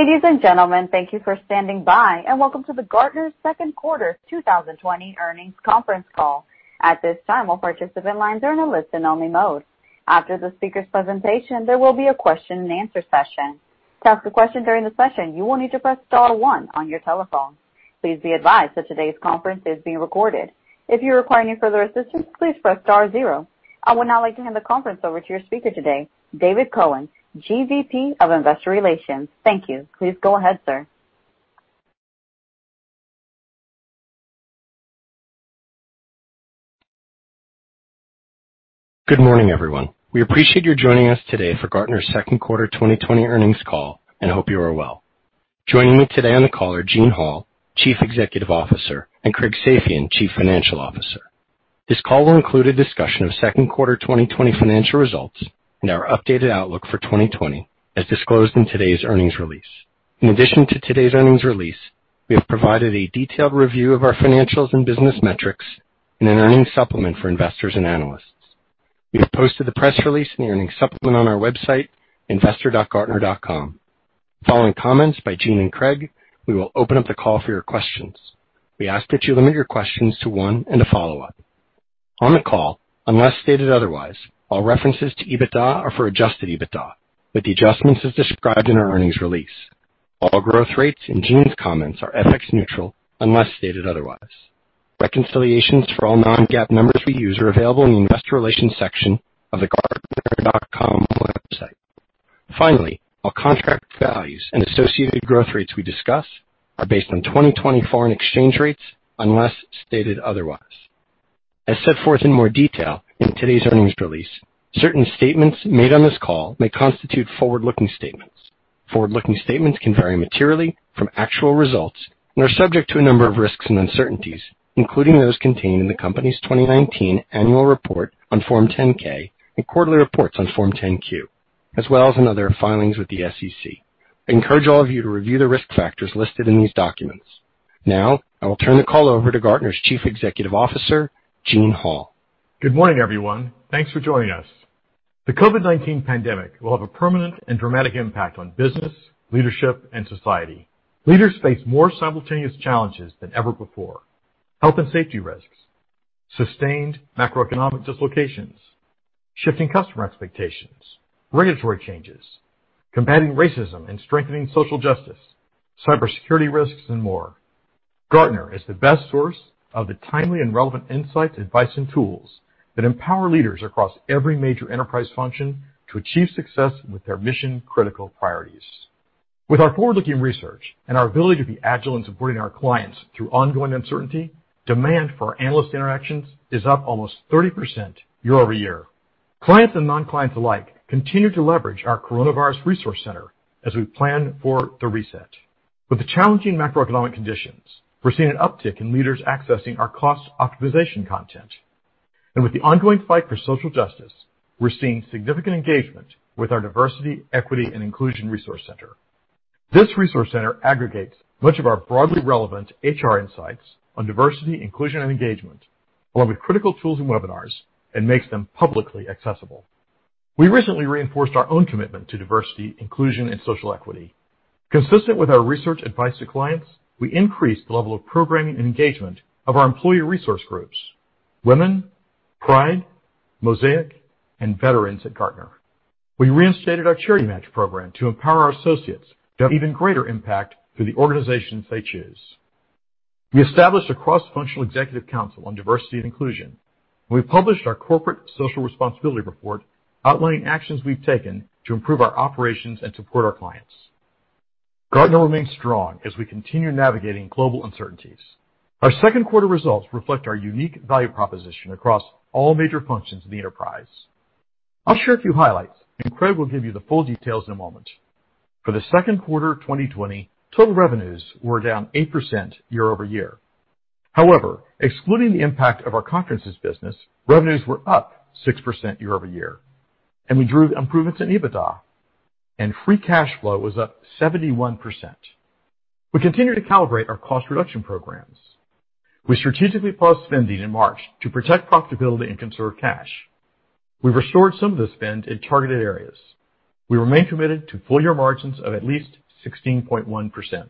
Ladies and gentlemen, thank you for standing by, and welcome to the Gartner's Second Quarter 2020 Earnings Conference Call. At this time, all participant lines are in a listen-only mode. After the speaker's presentation, there will be a question-and-answer session. To ask a question during the session, you will need to press star one on your telephone. Please be advised that today's conference is being recorded. If you require any further assistance, please press star zero. I would now like to hand the conference over to your speaker today, David Cohen, GVP of Investor Relations. Thank you. Please go ahead, sir. Good morning, everyone. We appreciate you joining us today for Gartner's Second Quarter 2020 Earnings Call and hope you are well. Joining me today on the call are Eugene Hall, Chief Executive Officer, and Craig Safian, Chief Financial Officer. This call will include a discussion of second quarter 2020 financial results and our updated outlook for 2020 as disclosed in today's earnings release. In addition to today's earnings release, we have provided a detailed review of our financials and business metrics in an earnings supplement for investors and analysts. We have posted the press release and the earnings supplement on our website, investor.gartner.com. Following comments by Gene and Craig, we will open up the call for your questions. We ask that you limit your questions to one and a follow-up. On the call, unless stated otherwise, all references to EBITDA are for Adjusted EBITDA, with the adjustments as described in our earnings release. All growth rates in Gene's comments are FX neutral unless stated otherwise. Reconciliations for all non-GAAP numbers we use are available in the investor relations section of the gartner.com website. Finally, all contract values and associated growth rates we discuss are based on 2020 foreign exchange rates unless stated otherwise. As set forth in more detail in today's earnings release, certain statements made on this call may constitute forward-looking statements. Forward-looking statements can vary materially from actual results and are subject to a number of risks and uncertainties, including those contained in the company's 2019 annual report on Form 10-K and quarterly reports on Form 10-Q, as well as in other filings with the SEC. I encourage all of you to review the risk factors listed in these documents. I will turn the call over to Gartner's Chief Executive Officer, Eugene Hall. Good morning, everyone. Thanks for joining us. The COVID-19 pandemic will have a permanent and dramatic impact on business, leadership, and society. Leaders face more simultaneous challenges than ever before. Health and safety risks, sustained macroeconomic dislocations, shifting customer expectations, regulatory changes, combating racism and strengthening social justice, cybersecurity risks, and more. Gartner is the best source of the timely and relevant insights, advice, and tools that empower leaders across every major enterprise function to achieve success with their mission-critical priorities. With our forward-looking research and our ability to be agile in supporting our clients through ongoing uncertainty, demand for our analyst interactions is up almost 30% year-over-year. Clients and non-clients alike continue to leverage our Coronavirus Resource Center as we plan for the reset. With the challenging macroeconomic conditions, we're seeing an uptick in leaders accessing our cost optimization content. With the ongoing fight for social justice, we're seeing significant engagement with our Diversity, Equity and Inclusion Resource Center. This resource center aggregates much of our broadly relevant HR insights on diversity, inclusion, and engagement, along with critical tools and webinars, and makes them publicly accessible. We recently reinforced our own commitment to diversity, inclusion, and social equity. Consistent with our research advice to clients, we increased the level of programming and engagement of our employee resource groups, Women, Pride, Mosaic, and Veterans at Gartner. We reinstated our charity match program to empower our associates to have even greater impact through the organizations they choose. We established a cross-functional executive council on diversity and inclusion. We published our corporate social responsibility report outlining actions we've taken to improve our operations and support our clients. Gartner remains strong as we continue navigating global uncertainties. Our second quarter results reflect our unique value proposition across all major functions of the enterprise. I'll share a few highlights, and Craig will give you the full details in a moment. For the second quarter of 2020, total revenues were down 8% year-over-year. However, excluding the impact of our conferences business, revenues were up 6% year-over-year, and we drew improvements in EBITDA, and free cash flow was up 71%. We continue to calibrate our cost reduction programs. We strategically paused spending in March to protect profitability and conserve cash. We restored some of the spend in targeted areas. We remain committed to full year margins of at least 16.1%.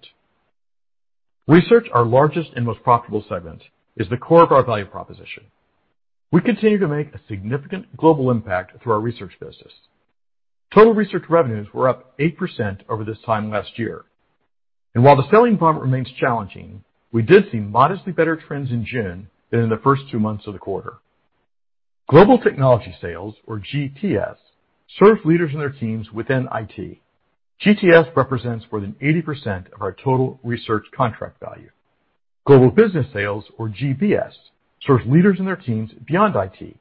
Research, our largest and most profitable segment, is the core of our value proposition. We continue to make a significant global impact through our research business. Total research revenues were up 8% over this time last year. While the selling environment remains challenging, we did see modestly better trends in June than in the first two months of the quarter. Global Technology Sales, or GTS, serves leaders and their teams within IT. GTS represents more than 80% of our total research contract value. Global Business Sales, or GBS, serves leaders and their teams beyond IT,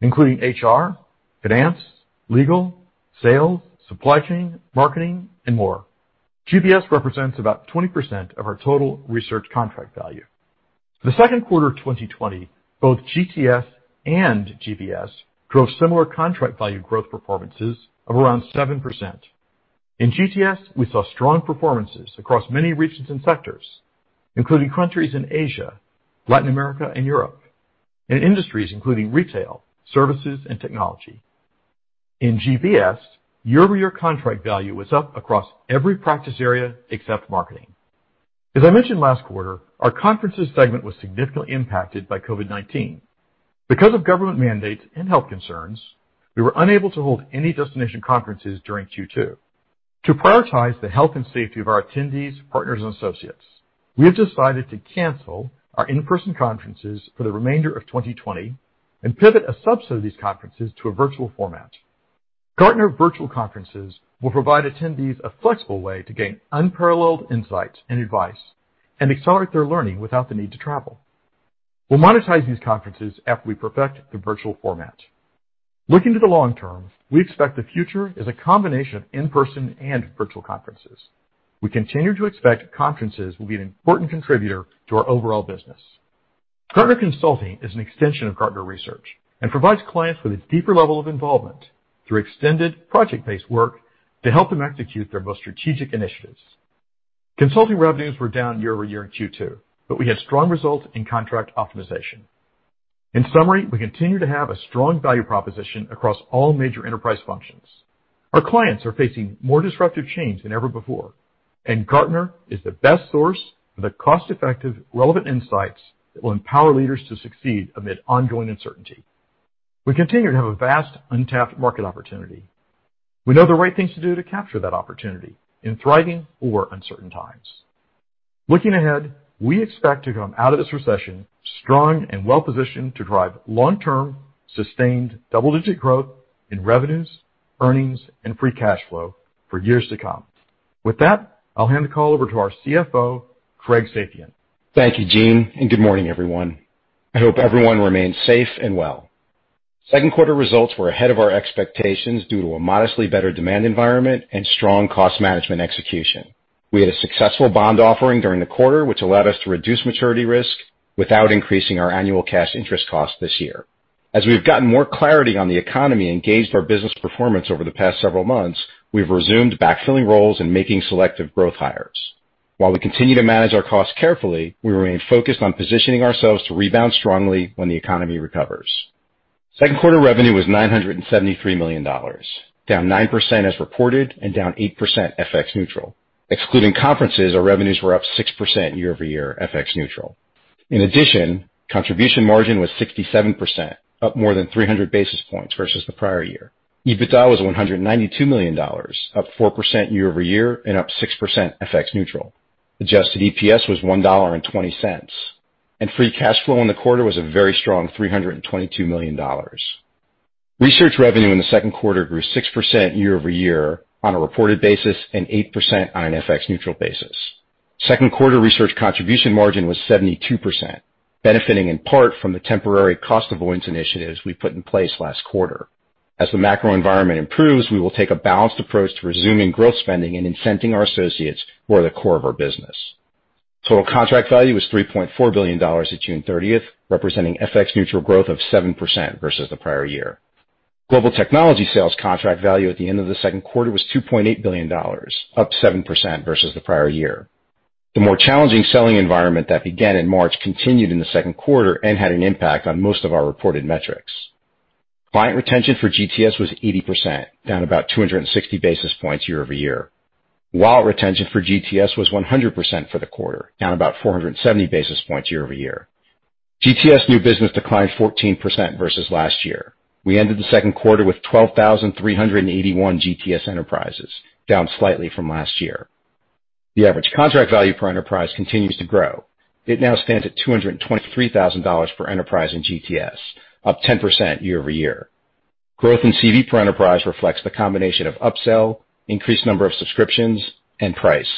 including HR, finance, legal, sales, supply chain, marketing, and more. GBS represents about 20% of our total research contract value. For the second quarter of 2020, both GTS and GBS drove similar contract value growth performances of around 7%. In GTS, we saw strong performances across many regions and sectors, including countries in Asia, Latin America, and Europe. In industries including retail, services, and technology. In GBS, year-over-year contract value was up across every practice area except marketing. As I mentioned last quarter, our conferences segment was significantly impacted by COVID-19. Because of government mandates and health concerns, we were unable to hold any destination conferences during Q2. To prioritize the health and safety of our attendees, partners, and associates, we have decided to cancel our in-person conferences for the remainder of 2020 and pivot a subset of these conferences to a virtual format. Gartner virtual conferences will provide attendees a flexible way to gain unparalleled insights and advice and accelerate their learning without the need to travel. We'll monetize these conferences after we perfect the virtual format. Looking to the long term, we expect the future is a combination of in-person and virtual conferences. We continue to expect conferences will be an important contributor to our overall business. Gartner Consulting is an extension of Gartner research and provides clients with a deeper level of involvement through extended project-based work to help them execute their most strategic initiatives. Consulting revenues were down year-over-year in Q2, but we had strong results in contract optimization. In summary, we continue to have a strong value proposition across all major enterprise functions. Our clients are facing more disruptive change than ever before, and Gartner is the best source for the cost-effective, relevant insights that will empower leaders to succeed amid ongoing uncertainty. We continue to have a vast, untapped market opportunity. We know the right things to do to capture that opportunity in thriving or uncertain times. Looking ahead, we expect to come out of this recession strong and well-positioned to drive long-term, sustained double-digit growth in revenues, earnings, and free cash flow for years to come. With that, I'll hand the call over to our CFO, Craig Safian. Thank you, Gene. Good morning, everyone. I hope everyone remains safe and well. Second quarter results were ahead of our expectations due to a modestly better demand environment and strong cost management execution. We had a successful bond offering during the quarter, which allowed us to reduce maturity risk without increasing our annual cash interest cost this year. As we've gotten more clarity on the economy and gauged our business performance over the past several months, we've resumed backfilling roles and making selective growth hires. While we continue to manage our costs carefully, we remain focused on positioning ourselves to rebound strongly when the economy recovers. Second quarter revenue was $973 million, down 9% as reported and down 8% FX neutral. Excluding conferences, our revenues were up 6% year-over-year FX neutral. Contribution margin was 67%, up more than 300 basis points versus the prior year. EBITDA was $192 million, up 4% year-over-year and up 6% FX neutral. Adjusted EPS was $1.20. Free cash flow in the quarter was a very strong $322 million. Research revenue in the second quarter grew 6% year-over-year on a reported basis, and 8% on an FX neutral basis. Second quarter research contribution margin was 72%, benefiting in part from the temporary cost avoidance initiatives we put in place last quarter. As the macro environment improves, we will take a balanced approach to resuming growth spending and incenting our associates who are the core of our business. Total contract value was $3.4 billion at June 30th, representing FX neutral growth of 7% versus the prior year. Global Technology Sales contract value at the end of the second quarter was $2.8 billion, up 7% versus the prior year. The more challenging selling environment that began in March continued in the second quarter and had an impact on most of our reported metrics. Client retention for GTS was 80%, down about 260 basis points year-over-year. Wallet retention for GTS was 100% for the quarter, down about 470 basis points year-over-year. GTS new business declined 14% versus last year. We ended the second quarter with 12,381 GTS enterprises, down slightly from last year. The average contract value per enterprise continues to grow. It now stands at $223,000 per enterprise in GTS, up 10% year-over-year. Growth in CV per enterprise reflects the combination of upsell, increased number of subscriptions, and price.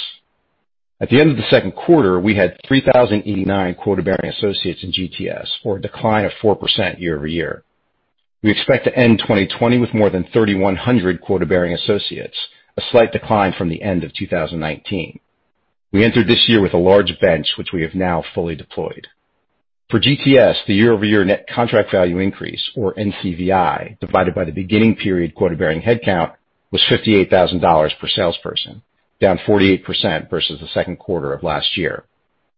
At the end of the second quarter, we had 3,089 quota-bearing associates in GTS, or a decline of 4% year-over-year. We expect to end 2020 with more than 3,100 quota-bearing associates, a slight decline from the end of 2019. We entered this year with a large bench, which we have now fully deployed. For GTS, the year-over-year net contract value increase, or NCVI, divided by the beginning period quota-bearing headcount was $58,000 per salesperson, down 48% versus the second quarter of last year.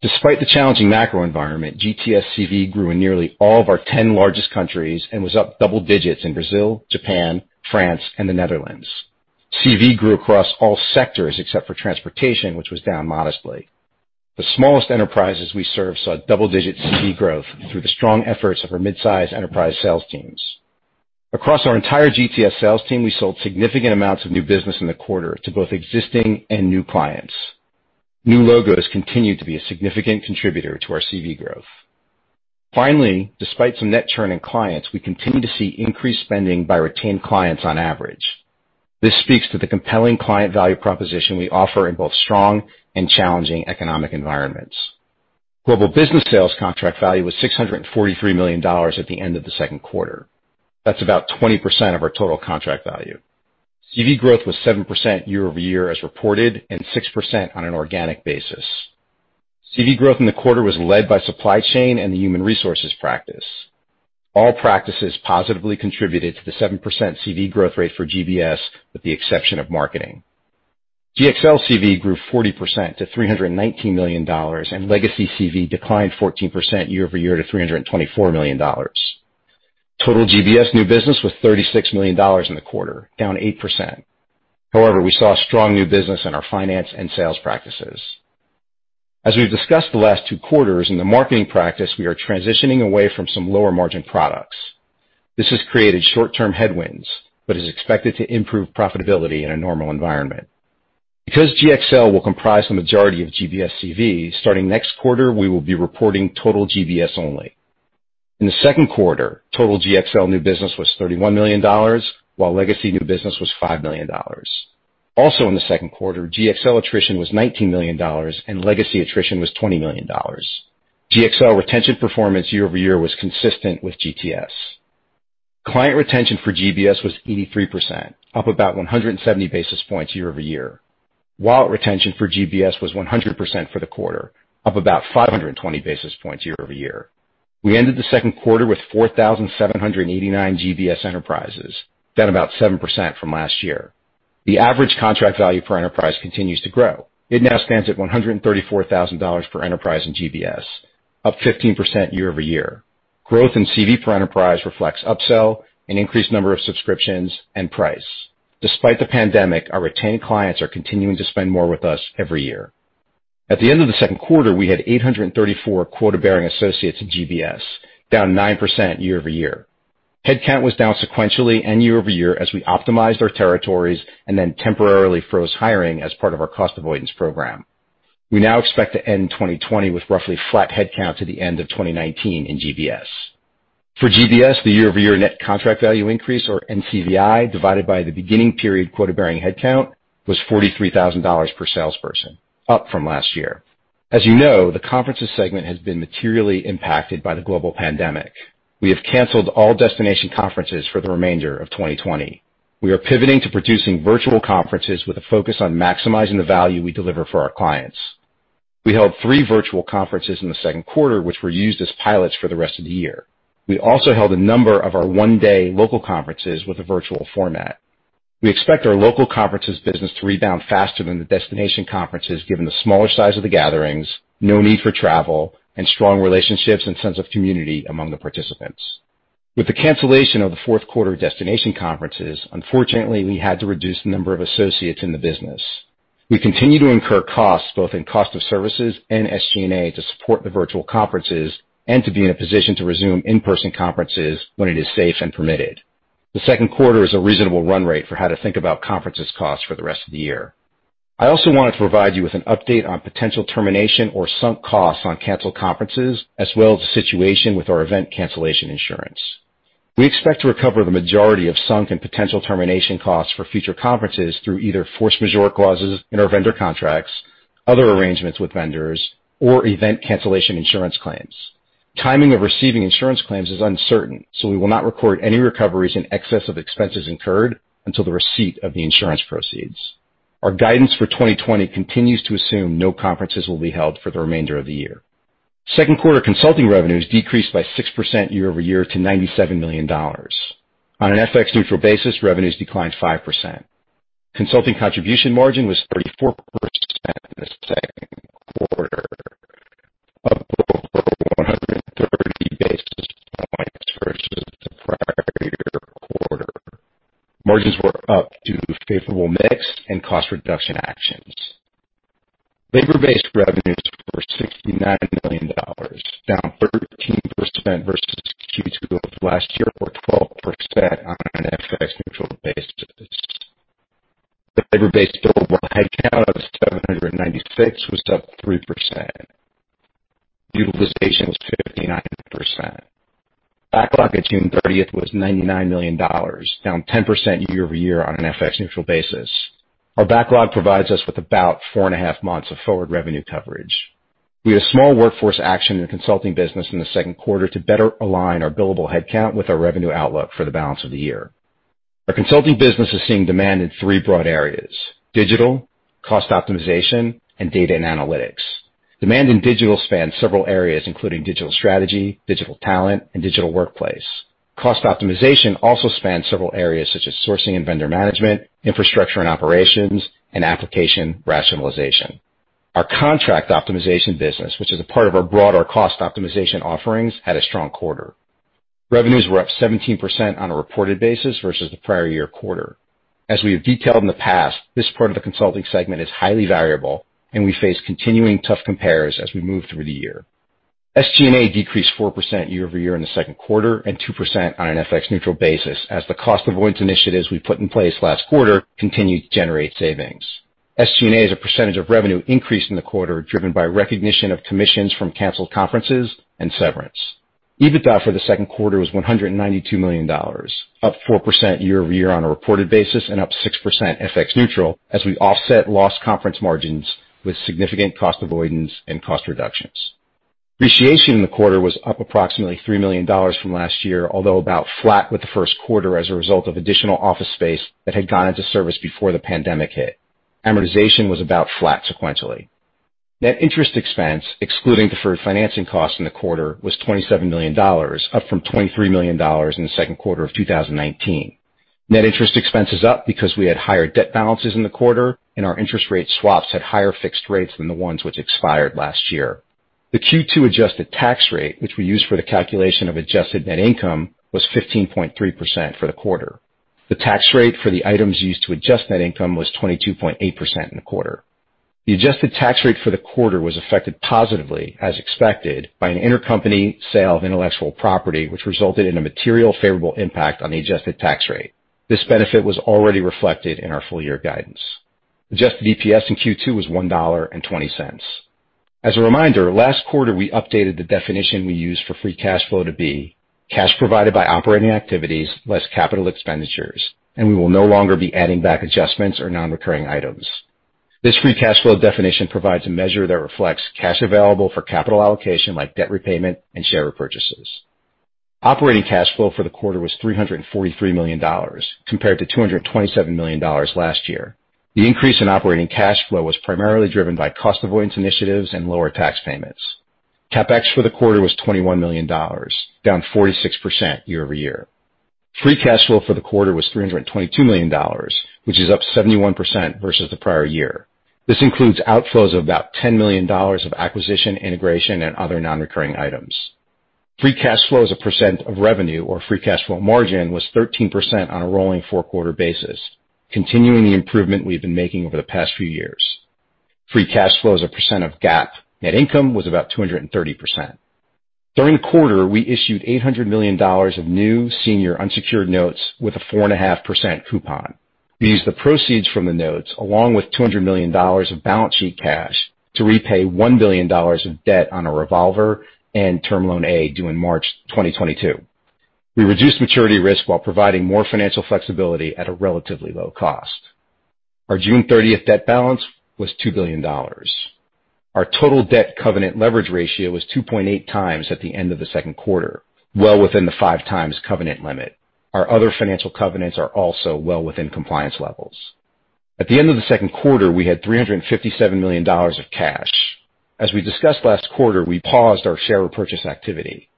Despite the challenging macro environment, GTS CV grew in nearly all of our 10 largest countries and was up double digits in Brazil, Japan, France, and the Netherlands. CV grew across all sectors except for transportation, which was down modestly. The smallest enterprises we serve saw double-digit CV growth through the strong efforts of our mid-size enterprise sales teams. Across our entire GTS sales team, we sold significant amounts of new business in the quarter to both existing and new clients. New logos continued to be a significant contributor to our CV growth. Finally, despite some net churn in clients, we continue to see increased spending by retained clients on average. This speaks to the compelling client value proposition we offer in both strong and challenging economic environments. Global business sales contract value was $643 million at the end of the second quarter. That's about 20% of our total contract value. CV growth was 7% year-over-year as reported and 6% on an organic basis. CV growth in the quarter was led by supply chain and the human resources practice. All practices positively contributed to the 7% CV growth rate for GBS, with the exception of marketing. GXL CV grew 40% to $319 million, and legacy CV declined 14% year-over-year to $324 million. Total GBS new business was $36 million in the quarter, down 8%. However, we saw strong new business in our finance and sales practices. As we've discussed the last two quarters, in the marketing practice, we are transitioning away from some lower-margin products. This has created short-term headwinds, but is expected to improve profitability in a normal environment. Because GXL will comprise the majority of GBS CV, starting next quarter, we will be reporting total GBS only. In the second quarter, total GXL new business was $31 million, while legacy new business was $5 million. Also in the second quarter, GXL attrition was $19 million, and legacy attrition was $20 million. GXL retention performance year-over-year was consistent with GTS. Client retention for GBS was 83%, up about 170 basis points year-over-year. Wallet retention for GBS was 100% for the quarter, up about 520 basis points year-over-year. We ended the second quarter with 4,789 GBS enterprises, down about 7% from last year. The average contract value per enterprise continues to grow. It now stands at $134,000 per enterprise in GBS, up 15% year-over-year. Growth in CV per enterprise reflects upsell, an increased number of subscriptions, and price. Despite the pandemic, our retained clients are continuing to spend more with us every year. At the end of the second quarter, we had 834 quota-bearing associates in GBS, down 9% year-over-year. Headcount was down sequentially and year-over-year as we optimized our territories and then temporarily froze hiring as part of our cost avoidance program. We now expect to end 2020 with roughly flat headcount to the end of 2019 in GBS. For GBS, the year-over-year net contract value increase, or NCVI, divided by the beginning period quota-bearing headcount was $43,000 per salesperson, up from last year. As you know, the conferences segment has been materially impacted by the global pandemic. We have canceled all destination conferences for the remainder of 2020. We are pivoting to producing virtual conferences with a focus on maximizing the value we deliver for our clients. We held three virtual conferences in the second quarter, which were used as pilots for the rest of the year. We also held a number of our one-day local conferences with a virtual format. We expect our local conferences business to rebound faster than the destination conferences, given the smaller size of the gatherings, no need for travel, and strong relationships and sense of community among the participants. With the cancellation of the fourth quarter destination conferences, unfortunately, we had to reduce the number of associates in the business. We continue to incur costs both in cost of services and SG&A to support the virtual conferences and to be in a position to resume in-person conferences when it is safe and permitted. The second quarter is a reasonable run rate for how to think about conferences costs for the rest of the year. I also wanted to provide you with an update on potential termination or sunk costs on canceled conferences, as well as the situation with our event cancellation insurance. We expect to recover the majority of sunk and potential termination costs for future conferences through either force majeure clauses in our vendor contracts, other arrangements with vendors, or event cancellation insurance claims. Timing of receiving insurance claims is uncertain, so we will not record any recoveries in excess of expenses incurred until the receipt of the insurance proceeds. Our guidance for 2020 continues to assume no conferences will be held for the remainder of the year. Second quarter consulting revenues decreased by 6% year-over-year to $97 million. On an FX neutral basis, revenues declined 5%. Consulting contribution margin was 34% in the second quarter, up over 130 basis points versus the prior year quarter. Margins were up due to favorable mix and cost reduction actions. Labor-based revenues were $69 million, down 13% versus Q2 of last year, or 12% on an FX neutral basis. The labor-based billable headcount of 796 was up 3%. Utilization was 59%. Backlog at June 30th was $99 million, down 10% year-over-year on an FX neutral basis. Our backlog provides us with about four and a half months of forward revenue coverage. We had a small workforce action in the consulting business in the second quarter to better align our billable headcount with our revenue outlook for the balance of the year. Our consulting business is seeing demand in three broad areas: digital, cost optimization, and data and analytics. Demand in digital spans several areas, including digital strategy, digital talent, and digital workplace. Cost optimization also spans several areas such as sourcing and vendor management, infrastructure and operations, and application rationalization. Our contract optimization business, which is a part of our broader cost optimization offerings, had a strong quarter. Revenues were up 17% on a reported basis versus the prior year quarter. As we have detailed in the past, this part of the consulting segment is highly variable, and we face continuing tough compares as we move through the year. SG&A decreased 4% year-over-year in the second quarter and 2% on an FX neutral basis as the cost avoidance initiatives we put in place last quarter continued to generate savings. SG&A as a percentage of revenue increased in the quarter, driven by recognition of commissions from canceled conferences and severance. EBITDA for the second quarter was $192 million, up 4% year-over-year on a reported basis and up 6% FX neutral as we offset lost conference margins with significant cost avoidance and cost reductions. Depreciation in the quarter was up approximately $3 million from last year, although about flat with the first quarter as a result of additional office space that had gone into service before the pandemic hit. Amortization was about flat sequentially. Net interest expense, excluding deferred financing costs in the quarter, was $27 million, up from $23 million in the second quarter of 2019. Net interest expense is up because we had higher debt balances in the quarter, and our interest rate swaps had higher fixed rates than the ones which expired last year. The Q2 adjusted tax rate, which we use for the calculation of adjusted net income, was 15.3% for the quarter. The tax rate for the items used to adjust net income was 22.8% in the quarter. The adjusted tax rate for the quarter was affected positively, as expected, by an intercompany sale of intellectual property, which resulted in a material favorable impact on the adjusted tax rate. This benefit was already reflected in our full-year guidance. Adjusted EPS in Q2 was $1.20. As a reminder, last quarter, we updated the definition we use for free cash flow to be cash provided by operating activities, less capital expenditures, and we will no longer be adding back adjustments or non-recurring items. This free cash flow definition provides a measure that reflects cash available for capital allocation like debt repayment and share repurchases. Operating cash flow for the quarter was $343 million, compared to $227 million last year. The increase in operating cash flow was primarily driven by cost avoidance initiatives and lower tax payments. CapEx for the quarter was $21 million, down 46% year-over-year. Free cash flow for the quarter was $322 million, which is up 71% versus the prior year. This includes outflows of about $10 million of acquisition, integration, and other non-recurring items. Free cash flow as a percent of revenue or free cash flow margin was 13% on a rolling four-quarter basis, continuing the improvement we've been making over the past few years. Free cash flow as a percent of GAAP net income was about 230%. During the quarter, we issued $800 million of new senior unsecured notes with a 4.5% coupon. We used the proceeds from the notes, along with $200 million of balance sheet cash, to repay $1 billion of debt on a revolver and Term Loan A due in March 2022. We reduced maturity risk while providing more financial flexibility at a relatively low cost. Our June 30th debt balance was $2 billion. Our total debt covenant leverage ratio was 2.8x at the end of the second quarter, well within the 5x covenant limit. Our other financial covenants are also well within compliance levels. At the end of the second quarter, we had $357 million of cash. As we discussed last quarter, we paused our share repurchase activity.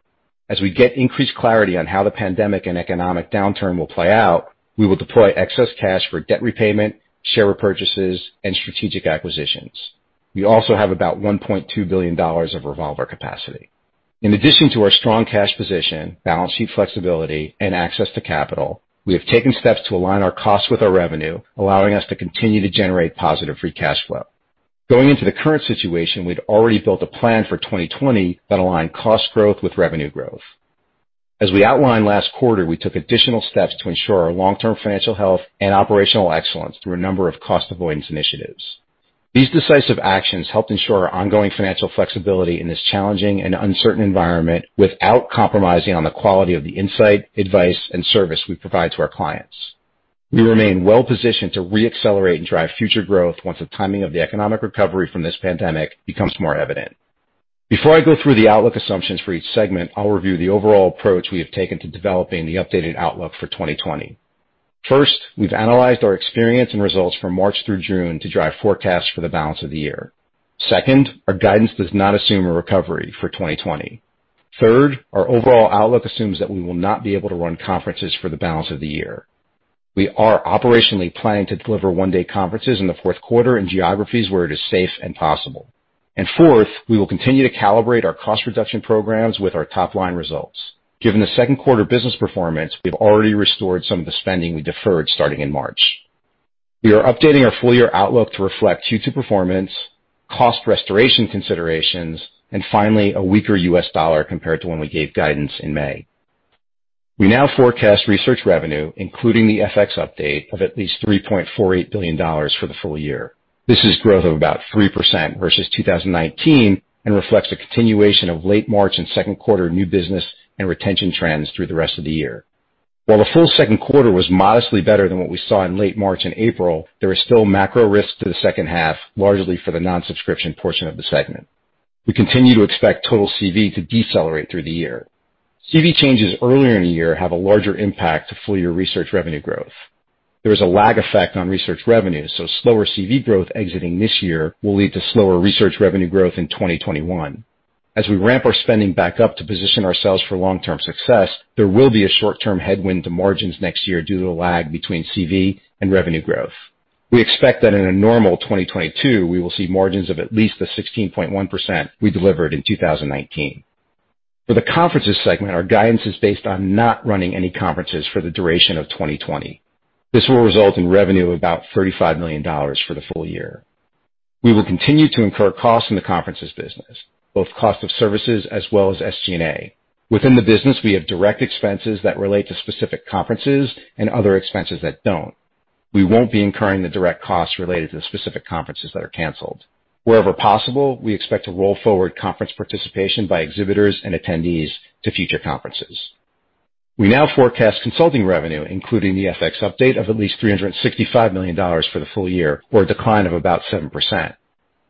As we get increased clarity on how the pandemic and economic downturn will play out, we will deploy excess cash for debt repayment, share repurchases, and strategic acquisitions. We also have about $1.2 billion of revolver capacity. In addition to our strong cash position, balance sheet flexibility, and access to capital, we have taken steps to align our costs with our revenue, allowing us to continue to generate positive free cash flow. Going into the current situation, we'd already built a plan for 2020 that aligned cost growth with revenue growth. As we outlined last quarter, we took additional steps to ensure our long-term financial health and operational excellence through a number of cost avoidance initiatives. These decisive actions helped ensure our ongoing financial flexibility in this challenging and uncertain environment without compromising on the quality of the insight, advice, and service we provide to our clients. We remain well-positioned to re-accelerate and drive future growth once the timing of the economic recovery from this pandemic becomes more evident. Before I go through the outlook assumptions for each segment, I'll review the overall approach we have taken to developing the updated outlook for 2020. First, we've analyzed our experience and results from March through June to drive forecasts for the balance of the year. Second, our guidance does not assume a recovery for 2020. Third, our overall outlook assumes that we will not be able to run conferences for the balance of the year. We are operationally planning to deliver one-day conferences in the fourth quarter in geographies where it is safe and possible. Fourth, we will continue to calibrate our cost reduction programs with our top-line results. Given the second quarter business performance, we have already restored some of the spending we deferred starting in March. We are updating our full-year outlook to reflect Q2 performance, cost restoration considerations, and finally, a weaker U.S. dollar compared to when we gave guidance in May. We now forecast research revenue, including the FX update, of at least $3.48 billion for the full year. This is growth of about 3% versus 2019 and reflects a continuation of late March and second quarter new business and retention trends through the rest of the year. While the full second quarter was modestly better than what we saw in late March and April, there is still macro risk to the second half, largely for the non-subscription portion of the segment. We continue to expect total CV to decelerate through the year. CV changes earlier in the year have a larger impact to full-year research revenue growth. There is a lag effect on research revenue, slower CV growth exiting this year will lead to slower research revenue growth in 2021. As we ramp our spending back up to position ourselves for long-term success, there will be a short-term headwind to margins next year due to the lag between CV and revenue growth. We expect that in a normal 2022, we will see margins of at least the 16.1% we delivered in 2019. For the conferences segment, our guidance is based on not running any conferences for the duration of 2020. This will result in revenue of about $35 million for the full year. We will continue to incur costs in the conferences business, both cost of services as well as SG&A. Within the business, we have direct expenses that relate to specific conferences and other expenses that don't. We won't be incurring the direct costs related to the specific conferences that are canceled. Wherever possible, we expect to roll forward conference participation by exhibitors and attendees to future conferences. We now forecast consulting revenue, including the FX update, of at least $365 million for the full year or a decline of about 7%.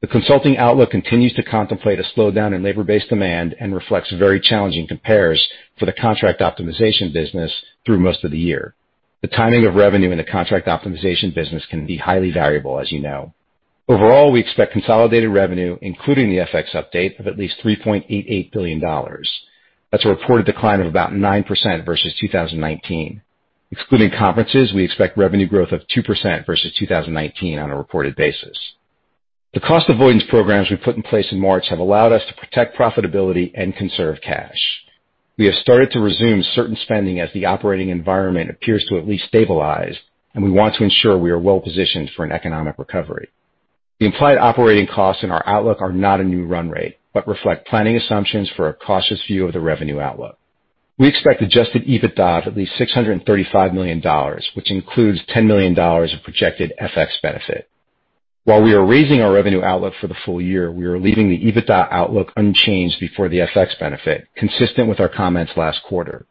The consulting outlook continues to contemplate a slowdown in labor-based demand and reflects very challenging compares for the contract optimization business through most of the year. The timing of revenue in the contract optimization business can be highly variable, as you know. Overall, we expect consolidated revenue, including the FX update, of at least $3.88 billion. That's a reported decline of about 9% versus 2019. Excluding conferences, we expect revenue growth of 2% versus 2019 on a reported basis. The cost avoidance programs we put in place in March have allowed us to protect profitability and conserve cash. We have started to resume certain spending as the operating environment appears to at least stabilize, and we want to ensure we are well-positioned for an economic recovery. The implied operating costs in our outlook are not a new run rate, but reflect planning assumptions for a cautious view of the revenue outlook. We expect Adjusted EBITDA of at least $635 million, which includes $10 million of projected FX benefit. While we are raising our revenue outlook for the full year, we are leaving the EBITDA outlook unchanged before the FX benefit, consistent with our comments last quarter.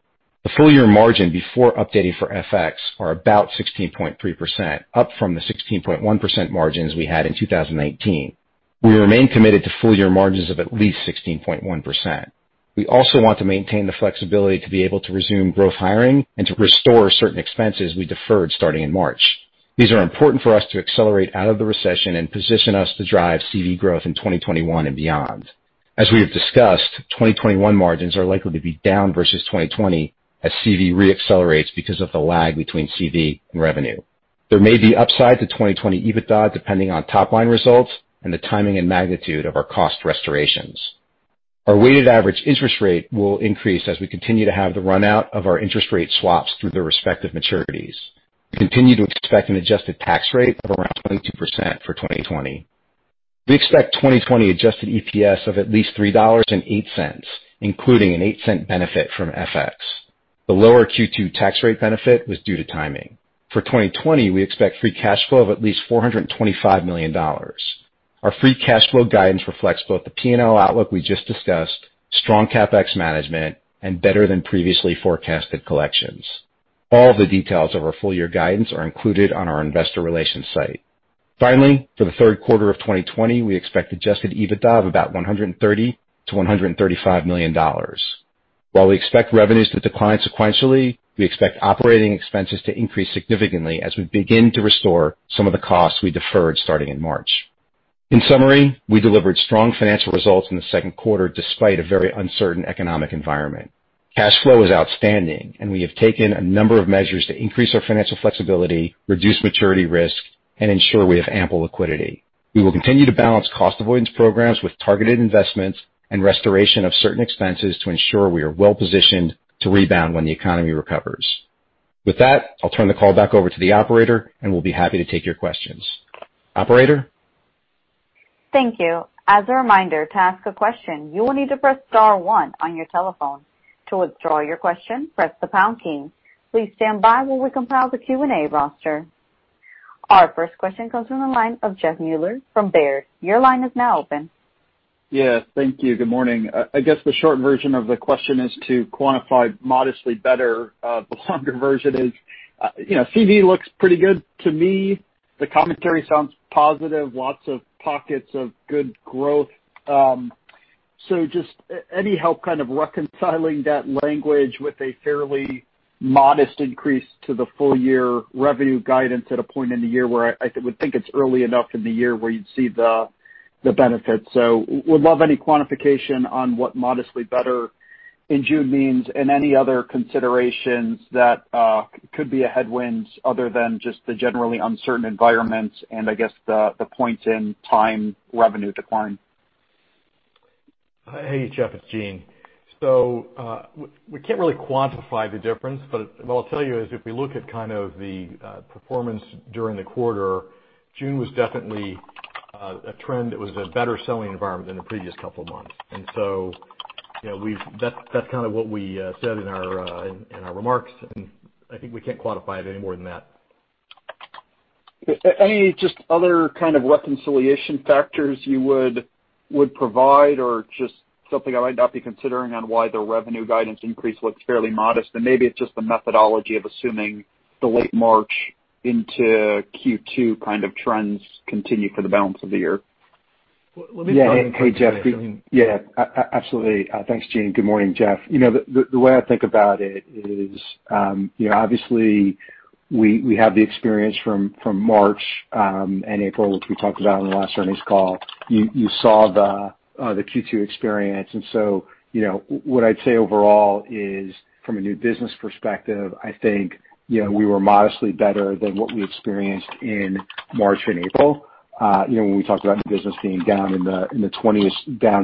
The full-year margin before updating for FX are about 16.3%, up from the 16.1% margins we had in 2019. We remain committed to full-year margins of at least 16.1%. We also want to maintain the flexibility to be able to resume growth hiring and to restore certain expenses we deferred starting in March. These are important for us to accelerate out of the recession and position us to drive CV growth in 2021 and beyond. As we have discussed, 2021 margins are likely to be down versus 2020 as CV re-accelerates because of the lag between CV and revenue. There may be upside to 2020 EBITDA depending on top-line results and the timing and magnitude of our cost restorations. Our weighted average interest rate will increase as we continue to have the run-out of our interest rate swaps through their respective maturities. We continue to expect an adjusted tax rate of around 22% for 2020. We expect 2020 adjusted EPS of at least $3.08, including an $0.08 benefit from FX. The lower Q2 tax rate benefit was due to timing. For 2020, we expect free cash flow of at least $425 million. Our free cash flow guidance reflects both the P&L outlook we just discussed, strong CapEx management, and better than previously forecasted collections. All the details of our full-year guidance are included on our investor relations site. Finally, for the third quarter of 2020, we expect Adjusted EBITDA of about $130 million-$135 million. While we expect revenues to decline sequentially, we expect operating expenses to increase significantly as we begin to restore some of the costs we deferred starting in March. In summary, we delivered strong financial results in the second quarter despite a very uncertain economic environment. Cash flow is outstanding, and we have taken a number of measures to increase our financial flexibility, reduce maturity risk, and ensure we have ample liquidity. We will continue to balance cost avoidance programs with targeted investments and restoration of certain expenses to ensure we are well-positioned to rebound when the economy recovers. With that, I'll turn the call back over to the operator, and we'll be happy to take your questions. Operator? Thank you. As a reminder, to ask a question, you will need to press star one on your telephone. To withdraw your question, press the pound key. Please stand by while we compile the Q&A roster. Our first question comes from the line of Jeffrey Meuler from Baird. Your line is now open. Yes. Thank you. Good morning. I guess the short version of the question is to quantify modestly better. The longer version is CV looks pretty good to me. The commentary sounds positive, lots of pockets of good growth. Just any help kind of reconciling that language with a fairly modest increase to the full-year revenue guidance at a point in the year where I would think it's early enough in the year where you'd see the benefits. Would love any quantification on what modestly better in June means and any other considerations that could be a headwind other than just the generally uncertain environment and I guess the point in time revenue decline. Hey, Jeff, it's Eugene. We can't really quantify the difference, but what I'll tell you is if we look at kind of the performance during the quarter, June was definitely a trend that was a better selling environment than the previous couple of months. That's kind of what we said in our remarks, and I think we can't quantify it any more than that. Any just other kind of reconciliation factors you would provide or just something I might not be considering on why the revenue guidance increase looks fairly modest, and maybe it's just the methodology of assuming the late March into Q2 kind of trends continue for the balance of the year? Hey, Jeff. Yeah, absolutely. Thanks, Gene. Good morning, Jeff. The way I think about it is, obviously we have the experience from March and April, which we talked about on the last earnings call. You saw the Q2 experience. What I'd say overall is from a new business perspective, I think we were modestly better than what we experienced in March and April, when we talked about new business being down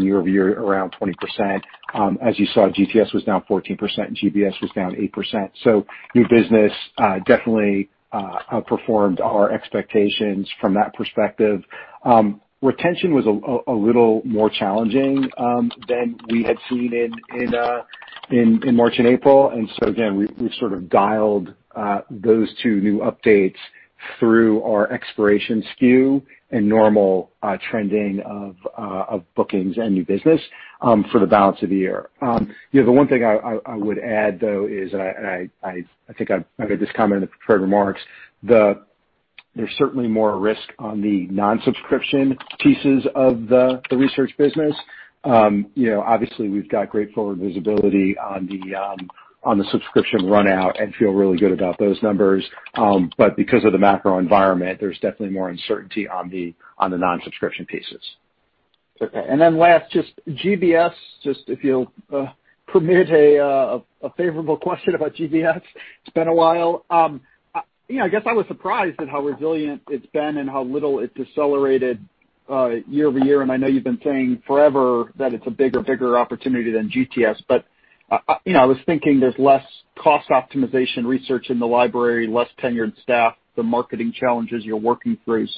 year-over-year around 20%. As you saw, GTS was down 14% and GBS was down 8%. New business definitely outperformed our expectations from that perspective. Retention was a little more challenging than we had seen in March and April. Again, we've sort of dialed those two new updates through our expiration SKU and normal trending of bookings and new business for the balance of the year. The one thing I would add, though, is I think I made this comment in the prepared remarks. There's certainly more risk on the non-subscription pieces of the research business. Obviously, we've got great forward visibility on the subscription run out and feel really good about those numbers. Because of the macro environment, there's definitely more uncertainty on the non-subscription pieces. Last, just GBS, just if you'll permit a favorable question about GBS. It's been a while. I guess I was surprised at how resilient it's been and how little it decelerated year-over-year. I know you've been saying forever that it's a bigger opportunity than GTS. I was thinking there's less cost optimization research in the library, less tenured staff, the marketing challenges you're working through.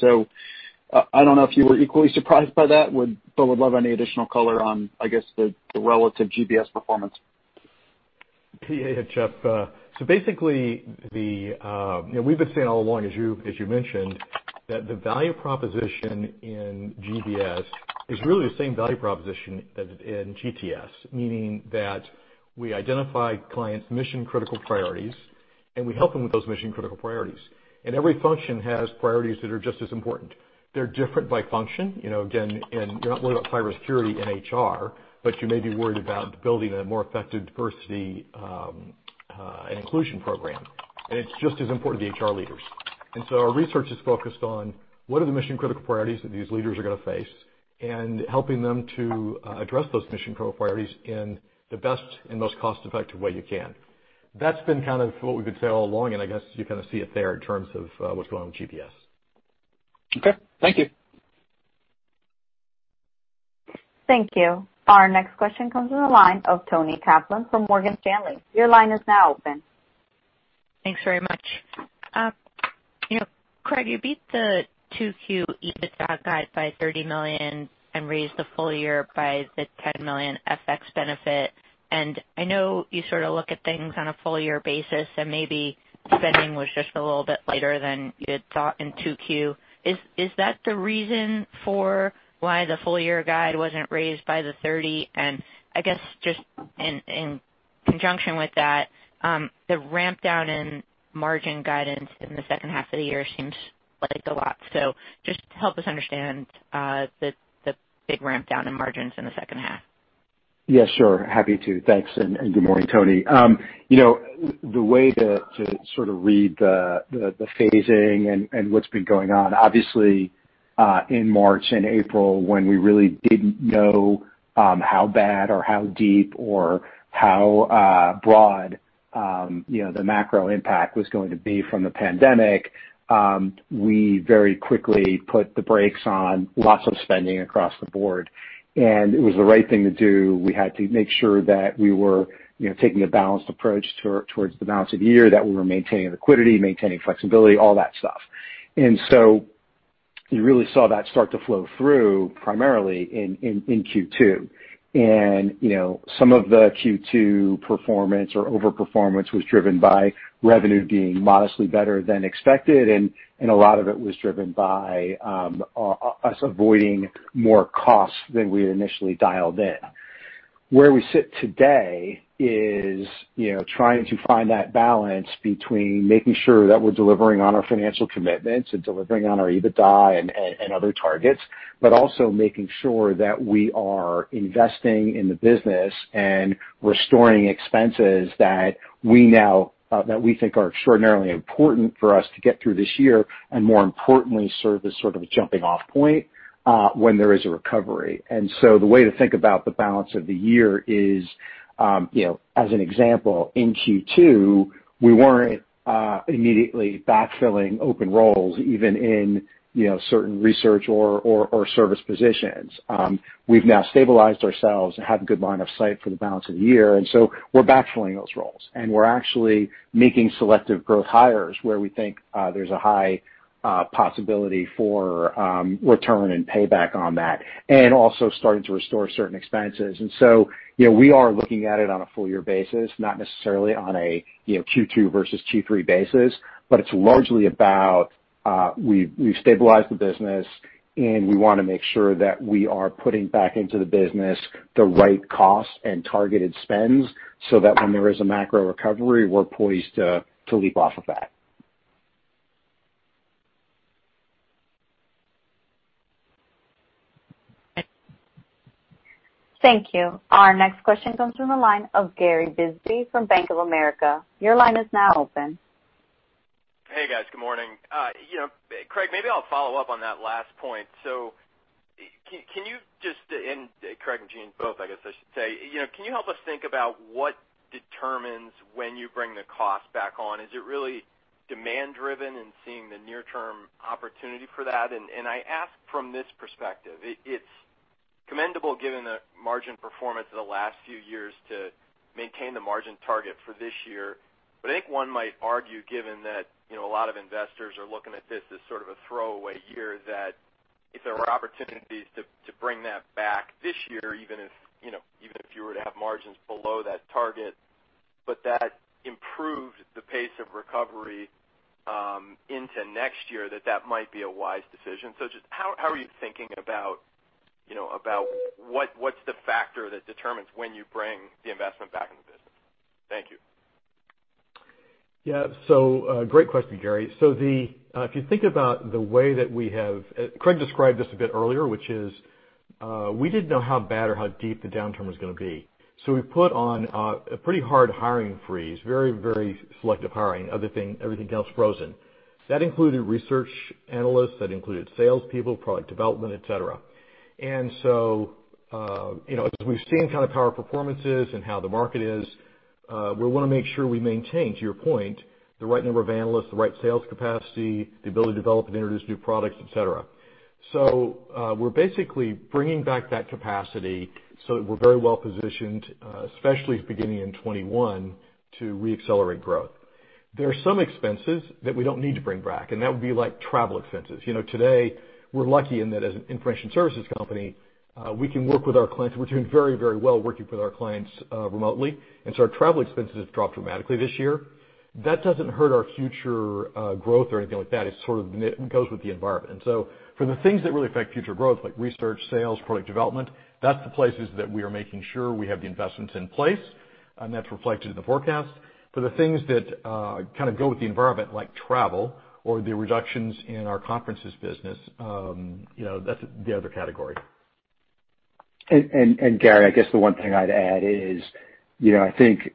I don't know if you were equally surprised by that, but would love any additional color on, I guess, the relative GBS performance. Yeah, Jeff. Basically, we've been saying all along, as you mentioned, that the value proposition in GBS is really the same value proposition as in GTS, meaning that we identify clients' mission-critical priorities, and we help them with those mission-critical priorities. Every function has priorities that are just as important. They're different by function. Again, you're not worried about cybersecurity in HR, but you may be worried about building a more effective Diversity and Inclusion program, and it's just as important to HR leaders. Our research is focused on what are the mission-critical priorities that these leaders are going to face, and helping them to address those mission-critical priorities in the best and most cost-effective way you can. That's been kind of what we've been saying all along, and I guess you kind of see it there in terms of what's going on with GBS. Okay. Thank you. Thank you. Our next question comes from the line of Toni Kaplan from Morgan Stanley. Your line is now open. Thanks very much. Craig, you beat the 2Q EBITDA guide by $30 million and raised the full year by the $10 million FX benefit. I know you sort of look at things on a full year basis, and maybe spending was just a little bit lighter than you had thought in 2Q. Is that the reason for why the full year guide wasn't raised by the $30? I guess just in conjunction with that, the ramp down in margin guidance in the second half of the year seems like a lot. Just help us understand the big ramp down in margins in the second half. Yeah, sure. Happy to. Thanks, and good morning, Toni. The way to sort of read the phasing and what's been going on. Obviously, in March and April, when we really didn't know how bad or how deep or how broad the macro impact was going to be from the pandemic, we very quickly put the brakes on lots of spending across the board. It was the right thing to do. We had to make sure that we were taking a balanced approach towards the balance of the year, that we were maintaining liquidity, maintaining flexibility, all that stuff. You really saw that start to flow through primarily in Q2. Some of the Q2 performance or over-performance was driven by revenue being modestly better than expected, and a lot of it was driven by us avoiding more costs than we had initially dialed in. Where we sit today is trying to find that balance between making sure that we're delivering on our financial commitments and delivering on our EBITDA and other targets, but also making sure that we are investing in the business and restoring expenses that we think are extraordinarily important for us to get through this year and, more importantly, serve as sort of a jumping-off point when there is a recovery. The way to think about the balance of the year is, as an example, in Q2, we weren't immediately backfilling open roles, even in certain research or service positions. We've now stabilized ourselves and have good line of sight for the balance of the year, and so we're backfilling those roles, and we're actually making selective growth hires where we think there's a high possibility for return and payback on that, and also starting to restore certain expenses. We are looking at it on a full year basis, not necessarily on a Q2 versus Q3 basis, but it's largely about we've stabilized the business, and we want to make sure that we are putting back into the business the right costs and targeted spends so that when there is a macro recovery, we're poised to leap off of that. Thank you. Our next question comes from the line of Gary Bisbee from Bank of America. Your line is now open. Hey, guys. Good morning. Craig, maybe I'll follow up on that last point. Craig and Gene both, I guess I should say. Can you help us think about what determines when you bring the cost back on? Is it really demand-driven and seeing the near-term opportunity for that? I ask from this perspective. It's commendable given the margin performance of the last few years to maintain the margin target for this year. I think one might argue, given that a lot of investors are looking at this as sort of a throwaway year, that if there were opportunities to bring that back this year, even if you were to have margins below that target, but that improved the pace of recovery into next year, that that might be a wise decision. Just how are you thinking about what's the factor that determines when you bring the investment back into the business? Thank you. Yeah. Great question, Gary. If you think about the way that Craig described this a bit earlier, which is, we didn't know how bad or how deep the downturn was going to be. We put on a pretty hard hiring freeze, very selective hiring. Everything else frozen. That included research analysts, that included salespeople, product development, et cetera. As we've seen how our performance is and how the market is, we want to make sure we maintain, to your point, the right number of analysts, the right sales capacity, the ability to develop and introduce new products, et cetera. We're basically bringing back that capacity so that we're very well-positioned, especially beginning in 2021, to re-accelerate growth. There are some expenses that we don't need to bring back, and that would be travel expenses. Today, we're lucky in that as an information services company, we can work with our clients. We're doing very well working with our clients remotely, our travel expenses have dropped dramatically this year. That doesn't hurt our future growth or anything like that. It goes with the environment. For the things that really affect future growth, like research, sales, product development, that's the places that we are making sure we have the investments in place, and that's reflected in the forecast. For the things that go with the environment, like travel or the reductions in our conferences business, that's the other category. Gary, I guess the one thing I'd add is, I think,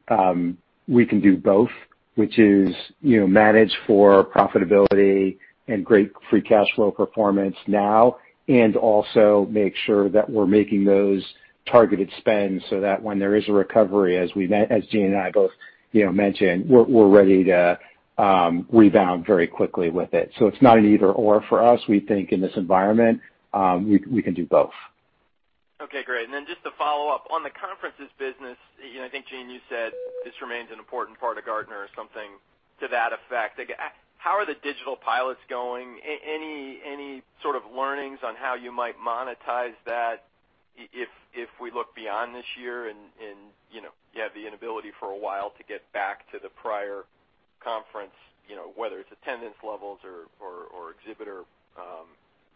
we can do both, which is manage for profitability and great free cash flow performance now, and also make sure that we're making those targeted spends so that when there is a recovery, as Gene and I both mentioned, we're ready to rebound very quickly with it. It's not an either/or for us. We think in this environment, we can do both. Okay, great. Just to follow up, on the conferences business, I think, Gene, you said this remains an important part of Gartner or something to that effect. How are the digital pilots going? Any sort of learnings on how you might monetize that if we look beyond this year and you have the inability for a while to get back to the prior conference, whether it's attendance levels or exhibitor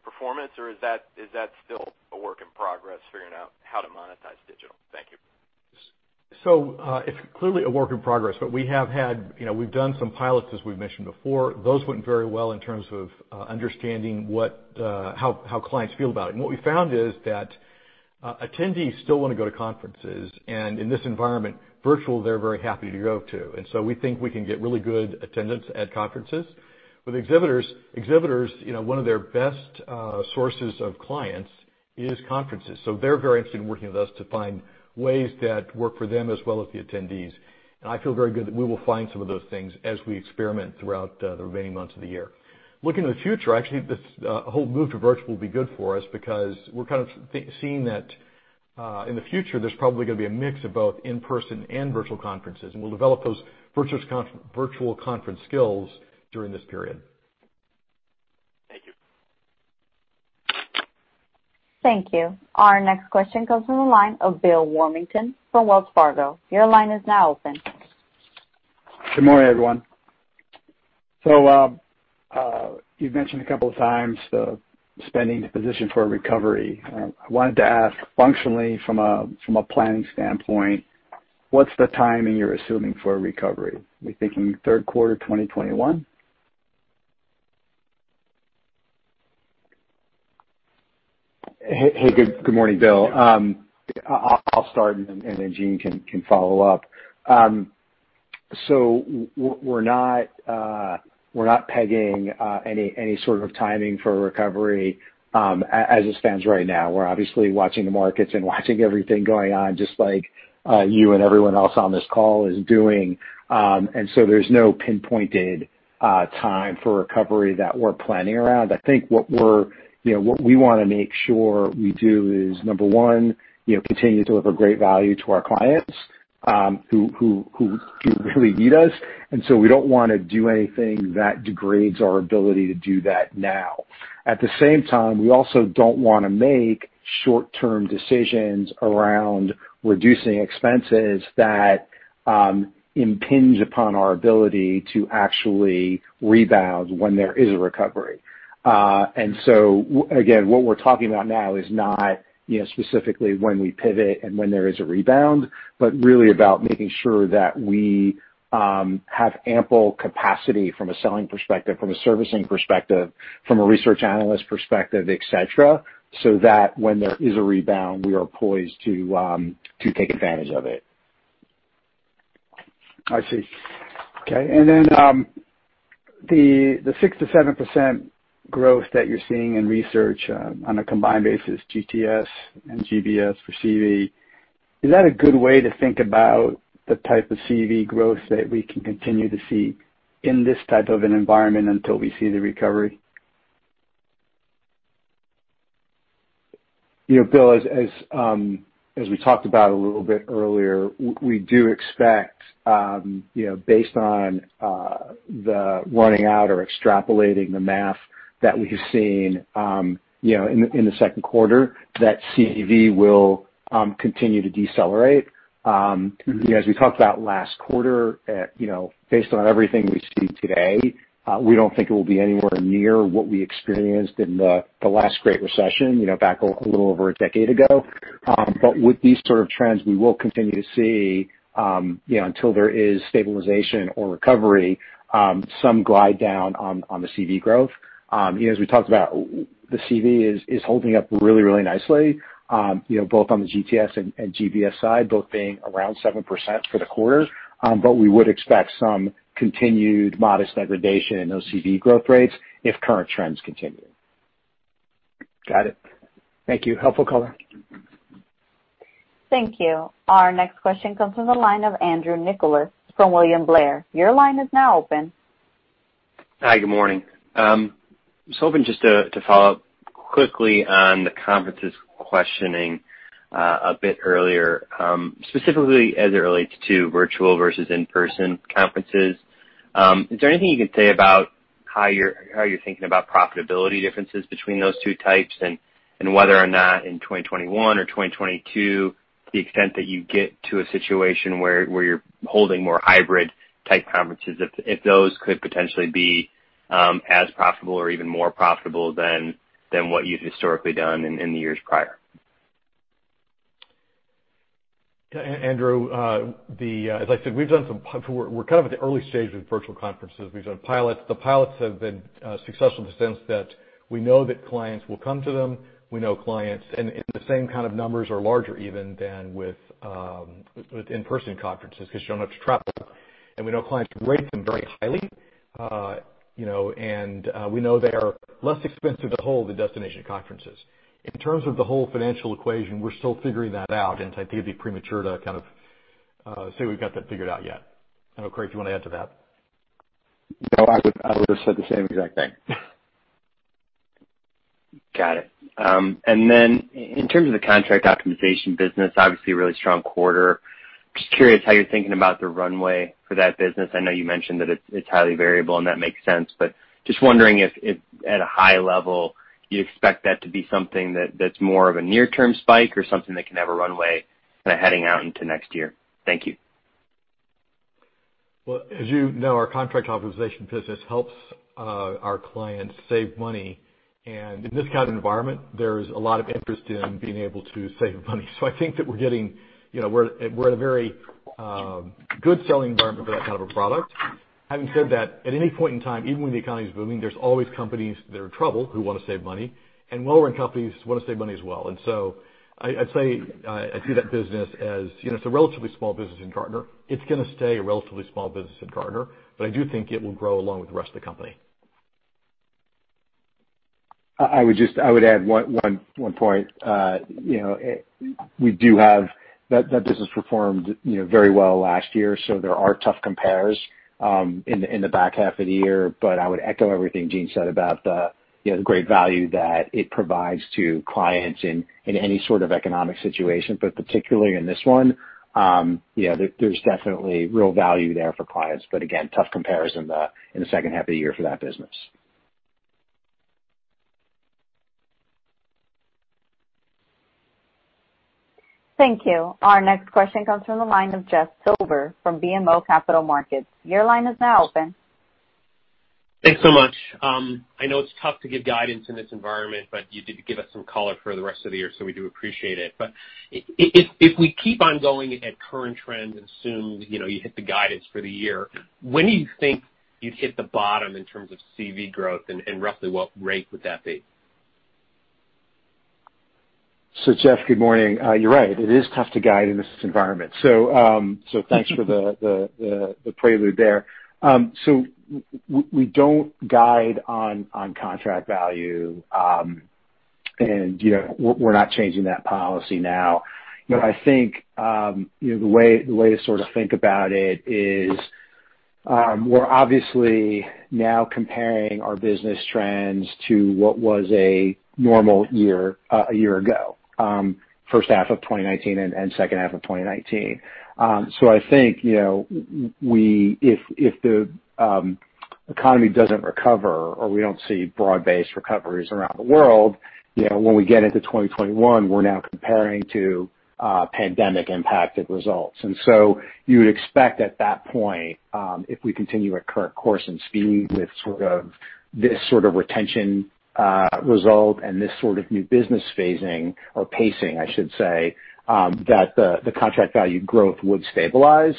performance, or is that still a work in progress, figuring out how to monetize digital? Thank you. It's clearly a work in progress, but we've done some pilots, as we've mentioned before. Those went very well in terms of understanding how clients feel about it. What we found is that attendees still want to go to conferences. In this environment, virtual, they're very happy to go to. We think we can get really good attendance at conferences. With exhibitors, one of their best sources of clients is conferences. They're very interested in working with us to find ways that work for them as well as the attendees. I feel very good that we will find some of those things as we experiment throughout the remaining months of the year. Looking to the future, actually, this whole move to virtual will be good for us because we're seeing that in the future, there's probably going to be a mix of both in-person and virtual conferences, and we'll develop those virtual conference skills during this period. Thank you. Thank you. Our next question comes from the line of Bill Warmington from Wells Fargo. Your line is now open. Good morning, everyone. You've mentioned a couple of times the spending to position for a recovery. I wanted to ask, functionally, from a planning standpoint, what's the timing you're assuming for a recovery? Are you thinking third quarter 2021? Hey, good morning, Bill. I'll start and then Gene can follow up. We're not pegging any sort of timing for a recovery as it stands right now. We're obviously watching the markets and watching everything going on, just like you and everyone else on this call is doing. There's no pinpointed time for recovery that we're planning around. I think what we want to make sure we do is, number one, continue to deliver great value to our clients, who really need us, and so we don't want to do anything that degrades our ability to do that now. At the same time, we also don't want to make short-term decisions around reducing expenses that impinge upon our ability to actually rebound when there is a recovery. Again, what we're talking about now is not specifically when we pivot and when there is a rebound, but really about making sure that we have ample capacity from a selling perspective, from a servicing perspective, from a research analyst perspective, et cetera, so that when there is a rebound, we are poised to take advantage of it. I see. Okay. The 6%-7% growth that you're seeing in research on a combined basis, GTS and GBS for CV, is that a good way to think about the type of CV growth that we can continue to see in this type of an environment until we see the recovery? Bill, as we talked about a little bit earlier, we do expect, based on the running out or extrapolating the math that we've seen in the second quarter, that CV will continue to decelerate. As we talked about last quarter, based on everything we see today, we don't think it will be anywhere near what we experienced in the last great recession back a little over a decade ago. With these sort of trends, we will continue to see, until there is stabilization or recovery, some glide down on the CV growth. As we talked about, the CV is holding up really nicely both on the GTS and GBS side, both being around 7% for the quarter. We would expect some continued modest degradation in those CV growth rates if current trends continue. Got it. Thank you. Helpful color. Thank you. Our next question comes from the line of Andrew Nicholas from William Blair. Your line is now open. Hi, good morning. I was hoping just to follow up quickly on the conferences questioning a bit earlier, specifically as it relates to virtual versus in-person conferences. Is there anything you can say about how you're thinking about profitability differences between those two types, and whether or not in 2021 or 2022, to the extent that you get to a situation where you're holding more hybrid-type conferences, if those could potentially be as profitable or even more profitable than what you've historically done in the years prior? Andrew, as I said, we're at the early stage of virtual conferences. We've done pilots. The pilots have been successful in the sense that we know that clients will come to them, and the same kind of numbers or larger even than with in-person conferences, because you don't have to travel. We know clients rate them very highly. We know they are less expensive to hold than destination conferences. In terms of the whole financial equation, we're still figuring that out, and I think it'd be premature to say we've got that figured out yet. I don't know, Craig, if you want to add to that. No, I would've said the same exact thing. Got it. In terms of the contract optimization business, obviously a really strong quarter. Just curious how you're thinking about the runway for that business. I know you mentioned that it's highly variable, and that makes sense, but just wondering if at a high level, you expect that to be something that's more of a near-term spike or something that can have a runway kind of heading out into next year. Thank you. Well, as you know, our contract optimization business helps our clients save money. In this kind of environment, there's a lot of interest in being able to save money. I think that we're in a very good selling environment for that kind of a product. Having said that, at any point in time, even when the economy's booming, there's always companies that are in trouble who want to save money, and lower-end companies want to save money as well. I'd say I see that business as it's a relatively small business in Gartner. It's going to stay a relatively small business in Gartner, but I do think it will grow along with the rest of the company. I would add one point. That business performed very well last year, so there are tough compares in the back half of the year. I would echo everything Gene said about the great value that it provides to clients in any sort of economic situation, but particularly in this one. There's definitely real value there for clients, but again, tough comparison in the second half of the year for that business. Thank you. Our next question comes from the line of Jeff Silber from BMO Capital Markets. Your line is now open. Thanks so much. I know it's tough to give guidance in this environment, but you did give us some color for the rest of the year, so we do appreciate it. If we keep on going at current trends and assume you hit the guidance for the year, when do you think you'd hit the bottom in terms of CV growth, and roughly what rate would that be? Jeff, good morning. You're right, it is tough to guide in this environment. Thanks for the prelude there. We don't guide on contract value, and we're not changing that policy now. I think the way to sort of think about it is we're obviously now comparing our business trends to what was a normal year a year ago, first half of 2019 and second half of 2019. I think if the economy doesn't recover or we don't see broad-based recoveries around the world, when we get into 2021, we're now comparing to pandemic-impacted results. You would expect at that point, if we continue at current course and speed with this sort of retention result and this sort of new business phasing or pacing, I should say, that the contract value growth would stabilize.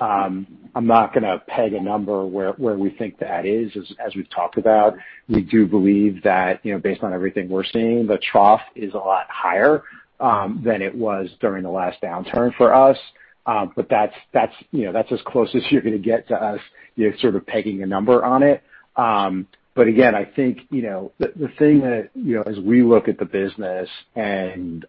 I'm not going to peg a number where we think that is. As we've talked about, we do believe that based on everything we're seeing, the trough is a lot higher than it was during the last downturn for us. That's as close as you're going to get to us sort of pegging a number on it. Again, I think the thing that as we look at the business, and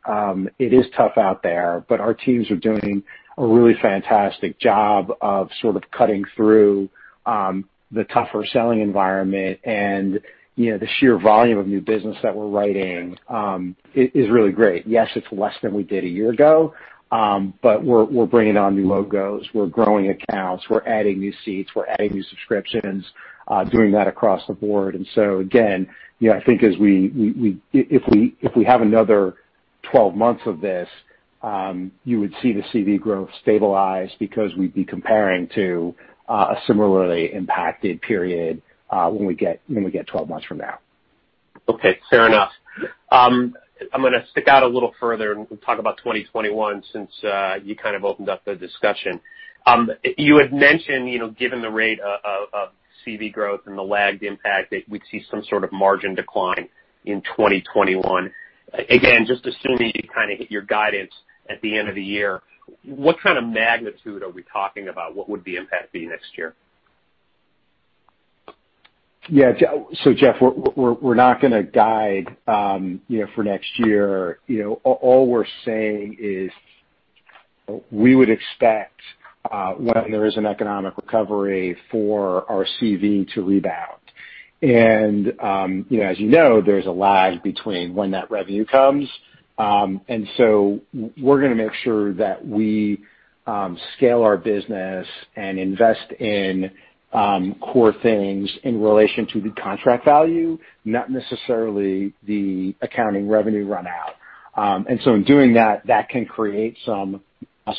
it is tough out there, but our teams are doing a really fantastic job of sort of cutting through the tougher selling environment and the sheer volume of new business that we're writing is really great. Yes, it's less than we did a year ago, but we're bringing on new logos. We're growing accounts. We're adding new seats. We're adding new subscriptions, doing that across the board. Again, I think if we have another 12 months of this, you would see the CV growth stabilize because we'd be comparing to a similarly impacted period when we get 12 months from now. Okay, fair enough. I'm going to stick out a little further and talk about 2021 since you kind of opened up the discussion. You had mentioned, given the rate of COVID-19 growth and the lagged impact, that we'd see some sort of margin decline in 2021. Again, just assuming you kind of hit your guidance at the end of the year, what kind of magnitude are we talking about? What would the impact be next year? Yeah. Jeff, we're not going to guide for next year. All we're saying is we would expect, when there is an economic recovery, for our CV to rebound. As you know, there's a lag between when that revenue comes. We're going to make sure that we scale our business and invest in core things in relation to the contract value, not necessarily the accounting revenue run out. In doing that can create some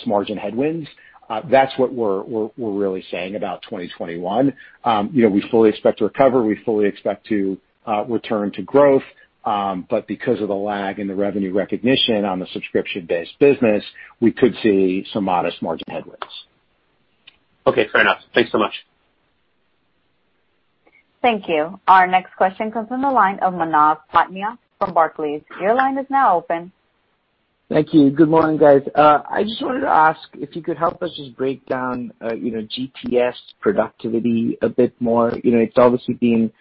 margin headwinds. That's what we're really saying about 2021. We fully expect to recover. We fully expect to return to growth. Because of the lag in the revenue recognition on the subscription-based business, we could see some modest margin headwinds. Okay, fair enough. Thanks so much. Thank you. Our next question comes from the line of Manav Patnaik from Barclays. Your line is now open. Thank you. Good morning, guys. I just wanted to ask if you could help us just break down GTS productivity a bit more. It's obviously been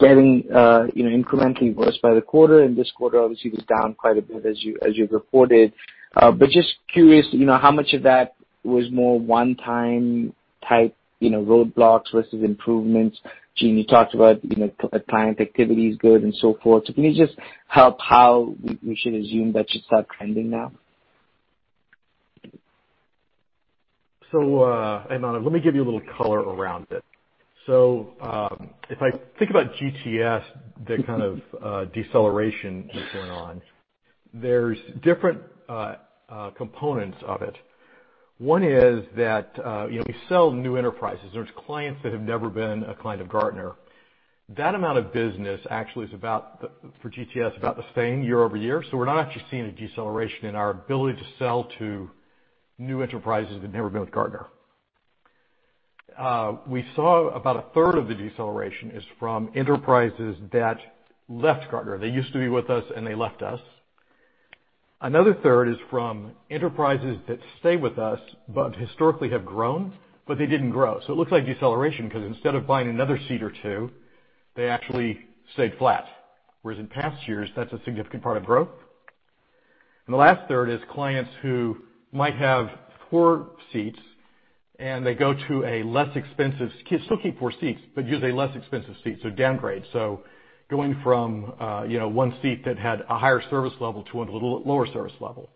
getting incrementally worse by the quarter, and this quarter obviously was down quite a bit as you reported. Just curious, how much of that was more one-time type roadblocks versus improvements? Gene, you talked about client activity is good and so forth. Can you just help how we should assume that should start trending now? Let me give you a little color around it. If I think about GTS, the kind of deceleration that's going on, there's different components of it. One is that we sell new enterprises. There's clients that have never been a client of Gartner. That amount of business actually is, for GTS, about the same year-over-year. We're not actually seeing a deceleration in our ability to sell to new enterprises that have never been with Gartner. We saw about a third of the deceleration is from enterprises that left Gartner. They used to be with us, and they left us. Another third is from enterprises that stay with us, but historically have grown, but they didn't grow. It looks like deceleration because instead of buying another seat or two, they actually stayed flat. Whereas in past years, that's a significant part of growth. The last third is clients who might have four seats, and they go to a less expensive-- still keep four seats, but use a less expensive seat, so downgrade. Going from one seat that had a higher service level to a lower service level.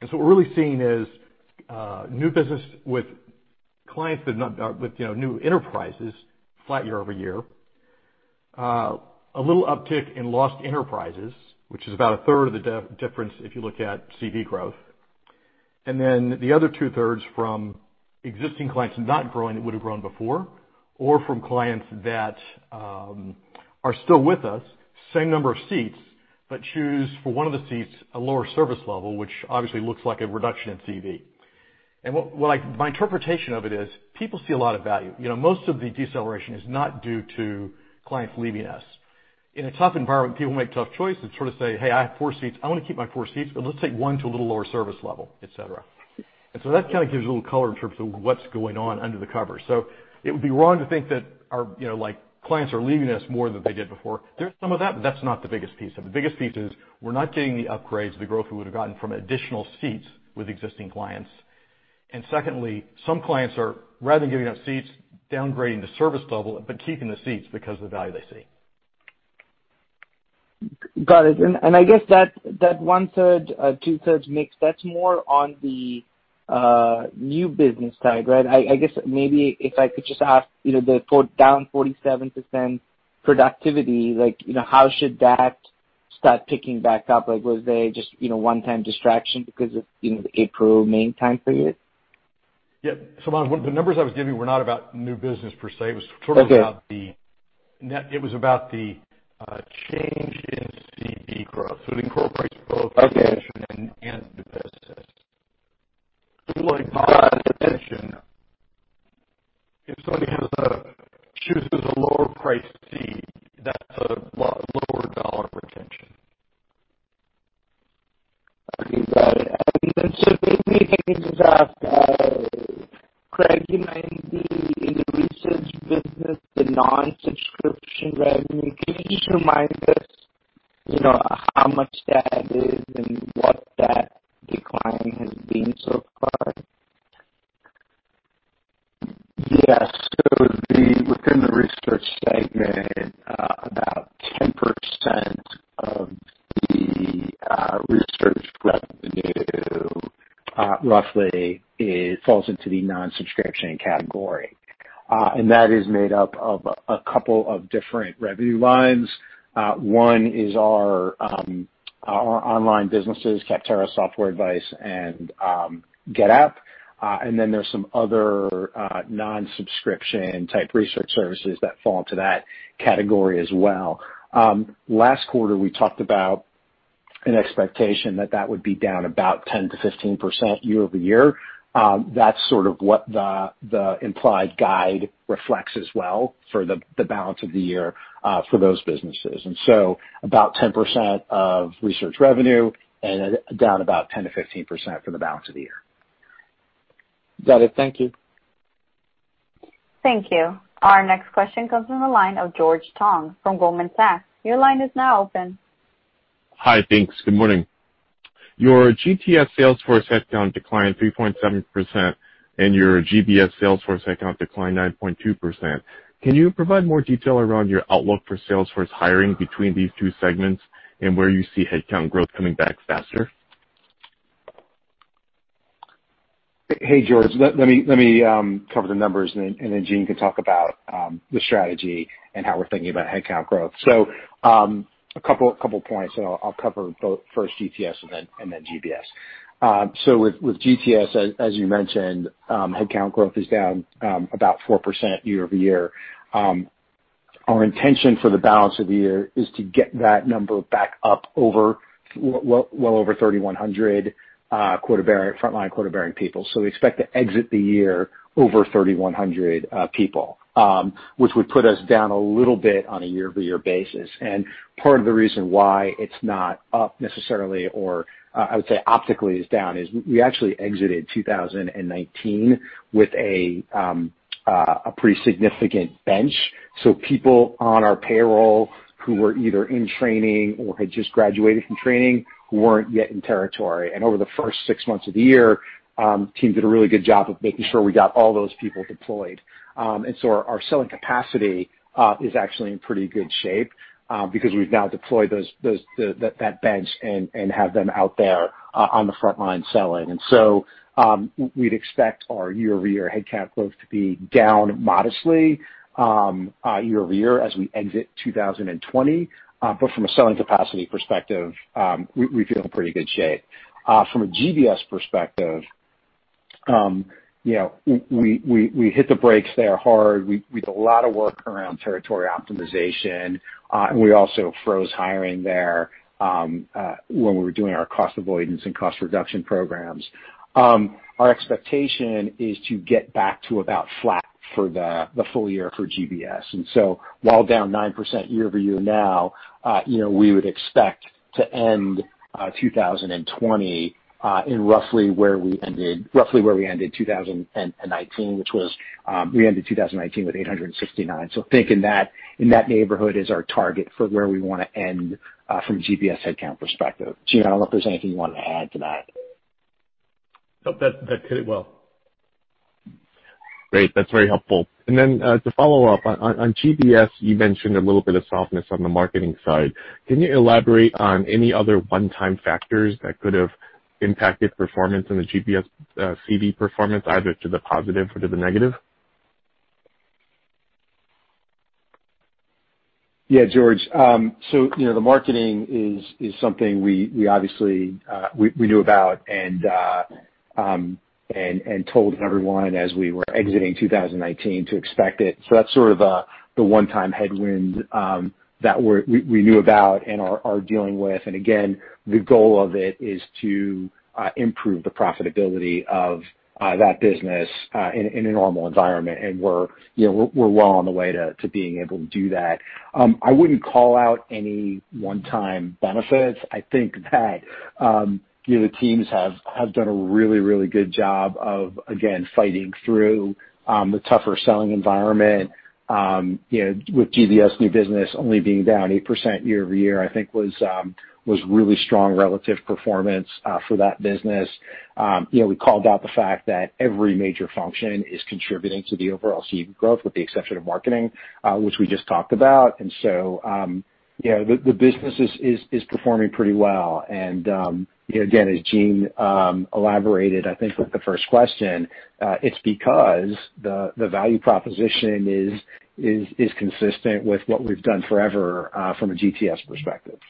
What we're really seeing is new business with new enterprises, flat year-over-year. A little uptick in lost enterprises, which is about a third of the difference if you look at CV growth. Then the other two-thirds from existing clients not growing that would have grown before, or from clients that are still with us, same number of seats, but choose, for one of the seats, a lower service level, which obviously looks like a reduction in CV. My interpretation of it is people see a lot of value. Most of the deceleration is not due to clients leaving us. In a tough environment, people make tough choices, sort of say, "Hey, I have four seats. I want to keep my four seats, but let's take one to a little lower service level," et cetera. That kind of gives a little color in terms of what's going on under the covers. It would be wrong to think that clients are leaving us more than they did before. There's some of that, but that's not the biggest piece of it. The biggest piece is we're not getting the upgrades, the growth we would have gotten from additional seats with existing clients. Secondly, some clients are, rather than giving up seats, downgrading the service level, but keeping the seats because of the value they see. Got it. I guess that one-third, two-thirds mix, that's more on the new business side, right? I guess maybe if I could just ask, the down [47%] productivity, how should that start picking back up? Was that just a one-time distraction because of the April, May time period? Yeah. Manav, the numbers I was giving were not about new business per se. It was about the change in CV growth and new business. like [Bob] mentioned, if somebody chooses a lower priced seat, that's a lower dollar retention. Okay. Got it. Maybe can I just ask, Craig, you mentioned the research business, the non-subscription revenue. Can you just remind us how much that is and what that decline has been so far? Yes. Within the research segment, about 10% of the research revenue roughly falls into the non-subscription category. That is made up of a couple of different revenue lines. One is our online businesses, Capterra, Software Advice, and GetApp, there's some other non-subscription type research services that fall into that category as well. Last quarter, we talked about an expectation that that would be down about 10%-15% year-over-year. That's sort of what the implied guide reflects as well for the balance of the year for those businesses. About 10% of research revenue and down about 10%-15% for the balance of the year. Got it. Thank you. Thank you. Our next question comes from the line of George Tong from Goldman Sachs. Your line is now open. Hi, thanks. Good morning. Your GTS sales force headcount declined 3.7%, and your GBS sales force headcount declined 9.2%. Can you provide more detail around your outlook for sales force hiring between these two segments and where you see headcount growth coming back faster? Hey, George. Let me cover the numbers and then Gene can talk about the strategy and how we're thinking about headcount growth. A couple of points, and I'll cover both first GTS and then GBS. With GTS, as you mentioned, headcount growth is down about 4% year-over-year. Our intention for the balance of the year is to get that number back up well over 3,100 frontline quota-bearing people. We expect to exit the year over 3,100 people, which would put us down a little bit on a year-over-year basis. Part of the reason why it's not up necessarily, or I would say optically is down, is we actually exited 2019 with a pretty significant bench. People on our payroll who were either in training or had just graduated from training weren't yet in territory. Over the first six months of the year, team did a really good job of making sure we got all those people deployed. Our selling capacity is actually in pretty good shape because we've now deployed that bench and have them out there on the front line selling. We'd expect our year-over-year headcount growth to be down modestly year-over-year as we exit 2020. From a selling capacity perspective, we feel in pretty good shape. From a GBS perspective, we hit the brakes there hard. We did a lot of work around territory optimization, and we also froze hiring there when we were doing our cost avoidance and cost reduction programs. Our expectation is to get back to about flat for the full year for GBS. While down 9% year-over-year now, we would expect to end 2020 in roughly where we ended 2019, which was we ended 2019 with 869. Think in that neighborhood is our target for where we want to end from a GBS headcount perspective. Gene, I don't know if there's anything you want to add to that. No, that hit it well. Great. That's very helpful. Then to follow up, on GBS, you mentioned a little bit of softness on the marketing side. Can you elaborate on any other one-time factors that could have impacted performance in the GBS CV performance, either to the positive or to the negative? Yeah, George. The marketing is something we obviously knew about and told everyone as we were exiting 2019 to expect it. That's sort of the one-time headwind that we knew about and are dealing with. Again, the goal of it is to improve the profitability of that business in a normal environment, and we're well on the way to being able to do that. I wouldn't call out any one-time benefits. I think that the teams have done a really good job of, again, fighting through the tougher selling environment. With GBS new business only being down 8% year-over-year, I think was really strong relative performance for that business. We called out the fact that every major function is contributing to the overall CV growth, with the exception of marketing, which we just talked about. The business is performing pretty well. Again, as Gene elaborated, I think with the first question, it's because the value proposition is consistent with what we've done forever from a GTS perspective.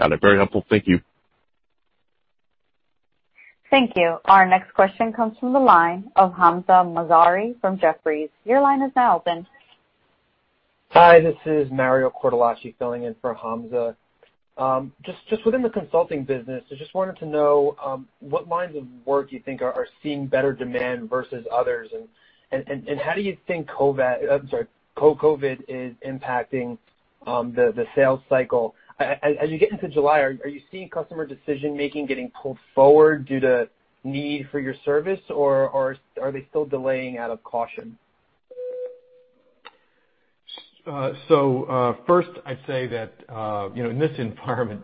Got it. Very helpful. Thank you. Thank you. Our next question comes from the line of Hamzah Mazari from Jefferies. Your line is now open. Hi, this is Mario Cortellacci filling in for Hamzah. Just within the consulting business, I just wanted to know what lines of work you think are seeing better demand versus others, and how do you think COVID is impacting the sales cycle. As you get into July, are you seeing customer decision-making getting pulled forward due to need for your service, or are they still delaying out of caution? First I'd say that in this environment,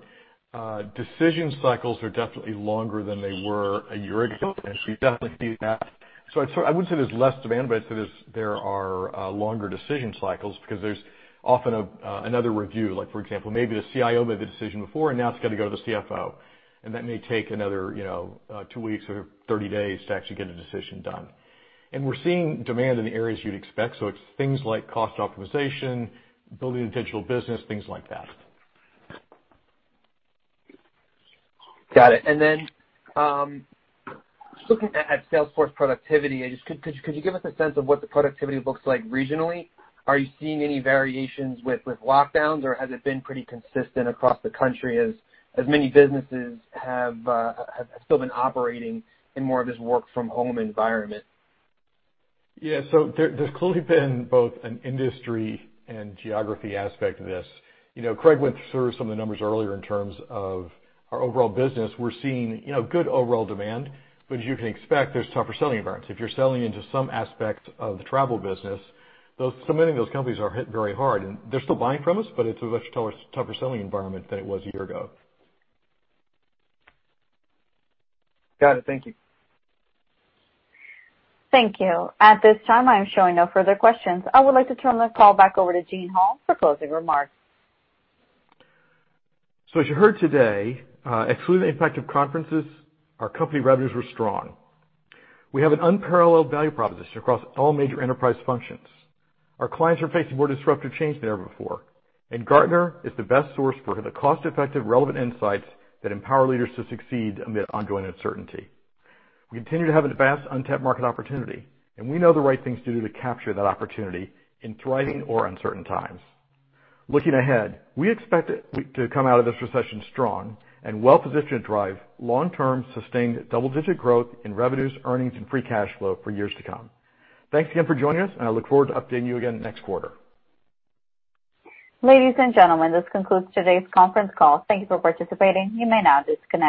decision cycles are definitely longer than they were a year ago. You definitely see that. I wouldn't say there's less demand, but I'd say there are longer decision cycles because there's often another review. Like for example, maybe the CIO made the decision before, and now it's got to go to the CFO, and that may take another two weeks or 30 days to actually get a decision done. We're seeing demand in the areas you'd expect. It's things like cost optimization, building a digital business, things like that. Got it. Then, just looking at sales force productivity, could you give us a sense of what the productivity looks like regionally? Are you seeing any variations with lockdowns, or has it been pretty consistent across the country as many businesses have still been operating in more of this work-from-home environment? There's clearly been both an industry and geography aspect to this. Craig went through some of the numbers earlier in terms of our overall business. We're seeing good overall demand, but as you can expect, there's tougher selling environments. If you're selling into some aspect of the travel business, many of those companies are hit very hard, and they're still buying from us, but it's a much tougher selling environment than it was a year ago. Got it. Thank you. Thank you. At this time, I am showing no further questions. I would like to turn the call back over to Eugene Hall for closing remarks. As you heard today, excluding the impact of conferences, our company revenues were strong. We have an unparalleled value proposition across all major enterprise functions. Our clients are facing more disruptive change than ever before, and Gartner is the best source for the cost-effective, relevant insights that empower leaders to succeed amid ongoing uncertainty. We continue to have a vast untapped market opportunity, and we know the right things to do to capture that opportunity in thriving or uncertain times. Looking ahead, we expect to come out of this recession strong and well-positioned to drive long-term, sustained double-digit growth in revenues, earnings, and free cash flow for years to come. Thanks again for joining us, and I look forward to updating you again next quarter. Ladies and gentlemen, this concludes today's conference call. Thank you for participating. You may now disconnect.